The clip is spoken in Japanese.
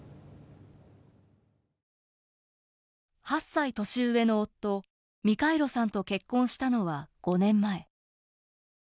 ８歳年上の夫ミカイロさんと結婚したのは５年前。